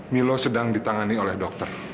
milo sedang ditangani oleh dokter